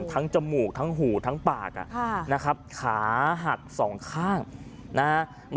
จมูกทั้งหูทั้งปากนะครับขาหักสองข้างนะฮะ